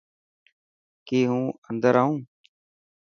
ڪي هون اندر آئون.